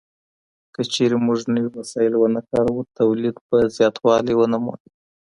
که چيرې موږ نوي وسايل ونه کاروو توليد به زياتوالی ونه مومي.